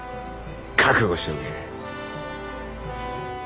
覚悟しておけ！